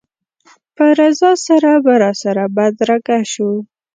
په رضا سره به راسره بدرګه شو.